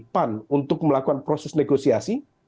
pan untuk melakukan proses negosiasi